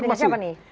negosiasi apa nih